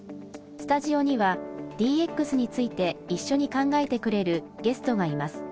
スタジオにはＤＸについて一緒に考えてくれるゲストがいます。